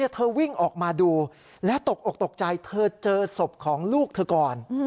เธอวิ่งออกมาดูแล้วตกอกตกใจเธอเจอศพของลูกเธอก่อน